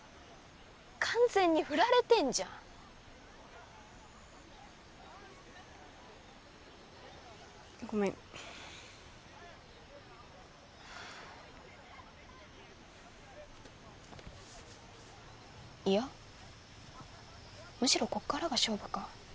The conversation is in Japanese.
完全にフラれてんじゃんごめんはあいやむしろこっからが勝負か？